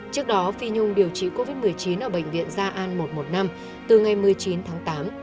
trước đó phi nhung điều trị covid một mươi chín ở bệnh viện gia an một trăm một mươi năm từ ngày một mươi chín tháng tám